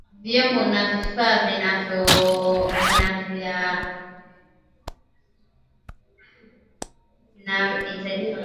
Vyombo na vifaa vinavyahitajika katika kupika keki ya viazi lishe